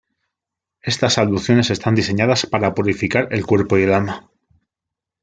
Estas abluciones están diseñadas para purificar el cuerpo y el alma.